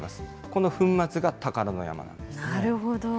この粉末が宝の山なんですね。